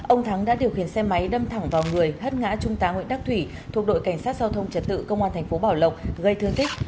ông thắng đã điều khiển xe máy đâm thẳng vào người hất ngã trung tá nguyễn đắc thủy thuộc đội cảnh sát giao thông trật tự công an thành phố bảo lộc gây thương tích